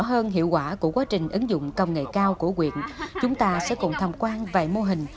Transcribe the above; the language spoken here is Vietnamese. hơn hiệu quả của quá trình ứng dụng công nghệ cao của quyện chúng ta sẽ cùng tham quan vài mô hình